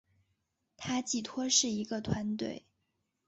它寄托是一个团队